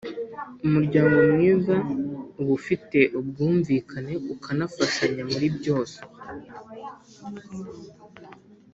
Umuryango mwiza uba ufite ubwumvikane ukanafashanya muri byose